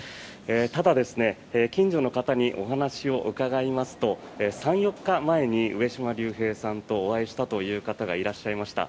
ただ、近所の方にお話を伺いますと３４日前に上島竜兵さんとお会いしたという方がいらっしゃいました。